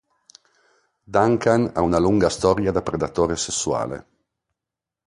Duncan ha una lunga storia da predatore sessuale.